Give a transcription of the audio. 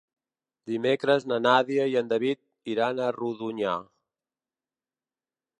Dimecres na Nàdia i en David iran a Rodonyà.